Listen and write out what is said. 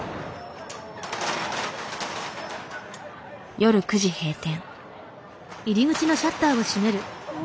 夜９時閉店。